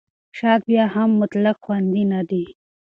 شات بیا هم مطلق خوندي نه دی.